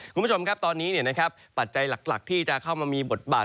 คุณผู้ชมครับตอนนี้ปัจจัยหลักที่จะเข้ามามีบทบาท